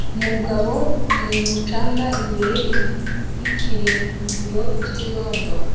mugabo ku mucanga imbere yikirindiro cyirondo